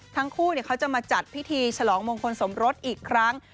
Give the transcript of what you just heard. เขาจะมาจัดพิธีฉลองมงคลสมรสอีกครั้ง